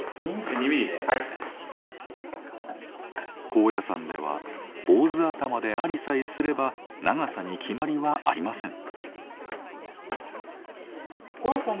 高野山では坊主頭でありさえすれば長さに決まりはありません。